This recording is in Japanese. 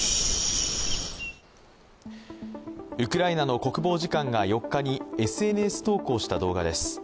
ウクライナの国防次官が４日にＳＮＳ投稿した動画です。